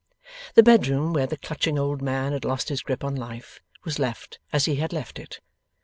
The bedroom where the clutching old man had lost his grip on life, was left as he had left it.